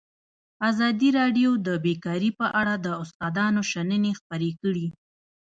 ازادي راډیو د بیکاري په اړه د استادانو شننې خپرې کړي.